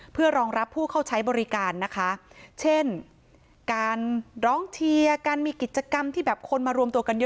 เพื่อรองรับผู้เข้าใช้บริการนะคะเช่นการร้องเชียร์การมีกิจกรรมที่แบบคนมารวมตัวกันเยอะ